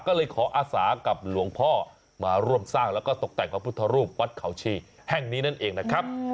ก็เลยขออาสากับหลวงพ่อมาร่วมสร้างแล้วก็ตกแต่งพระพุทธรูปวัดเขาชีแห่งนี้นั่นเองนะครับ